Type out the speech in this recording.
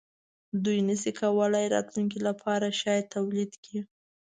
دوی نشوای کولای راتلونکې لپاره شیان تولید کړي.